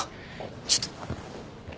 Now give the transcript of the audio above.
ちょっと。